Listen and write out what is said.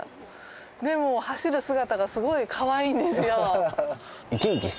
でも走る姿がすごいカワイイんですよ。